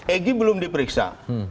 egy belum diperiksa